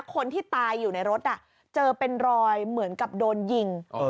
คนที่ตายอยู่ในรถเจอเป็นรอยเหมือนกับโดนยิง